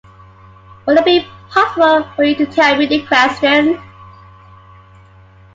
Would it be possible for you to tell me the questions?